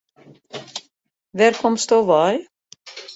Wêr komsto wei?